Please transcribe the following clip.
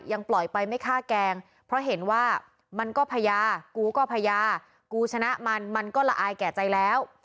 ยังปล่อยไปไม่ฆ่าแกล้งเพราะเห็นว่ามันก็พญากูก็พญากูชนะมันมันก็ละอายแก่ใจแล้ว